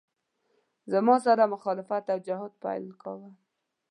زما سره یې مخالفت او جهاد پیل کاوه.